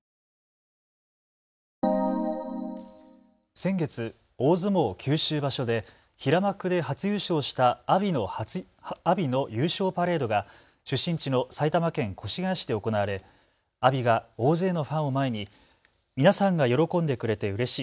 先月、大相撲九州場所で平幕で初優勝した阿炎の優勝パレードが出身地の埼玉県越谷市で行われ阿炎が大勢のファンを前に皆さんが喜んでくれてうれしい。